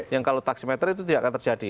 yang kalau taksi meter itu tidak akan terjadi